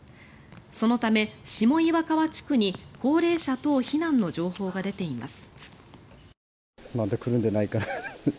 そのため、下岩川地区に高齢者等避難の情報が出ています。